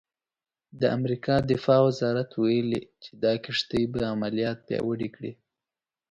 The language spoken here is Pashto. د امریکا دفاع وزارت ویلي چې دا کښتۍ به عملیات پیاوړي کړي.